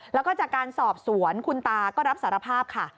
แล้วก็จากการสอบสวนคุณตาก็รับสารภาพค่ะ